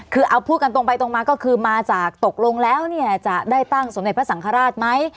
คือเอาพูดกันตรงไปตรงมาก็คือมาจากตกลงแล้วเนี่ยจะได้ตั้งสมเด็จพระสังฆราชไหม